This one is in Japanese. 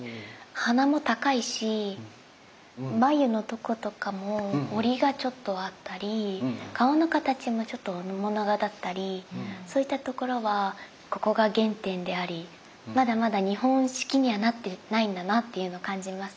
鼻も高いし眉のとことかもホリがちょっとあったり顔の形もちょっと面長だったりそういったところはここが原点でありまだまだ日本式にはなってないんだなっていうのを感じますね。